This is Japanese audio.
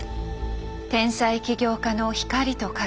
天才起業家の光と影。